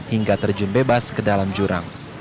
hingga terjun bebas ke dalam jurang